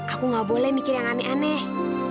aku nggak boleh mikir yang aneh aneh